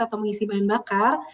atau mengisi bahan bakar